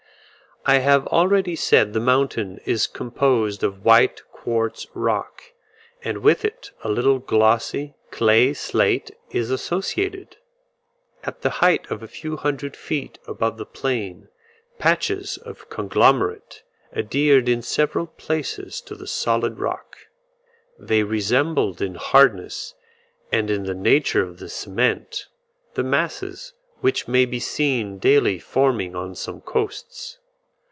I have already said the mountain is composed of white quartz rock, and with it a little glossy clay slate is associated. At the height of a few hundred feet above the plain patches of conglomerate adhered in several places to the solid rock. They resembled in hardness, and in the nature of the cement, the masses which may be seen daily forming on some coasts.